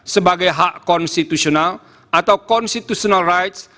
sebagai hak konstitusional atau constitutional rights